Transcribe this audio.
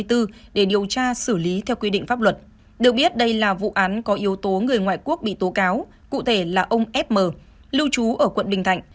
được biết đây là vụ án có yếu tố người ngoại quốc bị tố cáo cụ thể là ông fm lưu trú ở quận bình thạnh